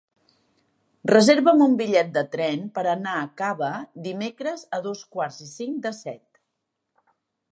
Reserva'm un bitllet de tren per anar a Cava dimecres a dos quarts i cinc de set.